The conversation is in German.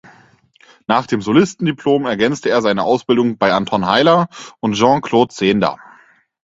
Nach dem Solistendiplom ergänzte er seine Ausbildung bei Anton Heiller und Jean-Claude Zehnder.